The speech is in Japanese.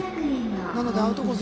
なので、アウトコース